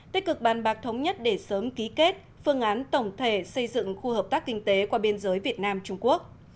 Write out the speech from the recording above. tích cực bàn bạc thống nhất để sớm ký kết phương án tổng thể xây dựng khu hợp tác kinh tế qua biên giới việt nam trung quốc